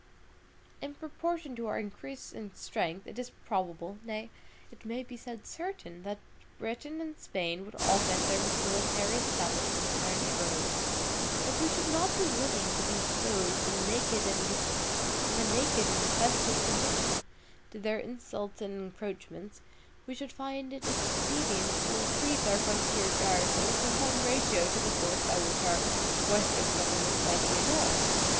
In proportion to our increase in strength, it is probable, nay, it may be said certain, that Britain and Spain would augment their military establishments in our neighborhood. If we should not be willing to be exposed, in a naked and defenseless condition, to their insults and encroachments, we should find it expedient to increase our frontier garrisons in some ratio to the force by which our Western settlements might be annoyed.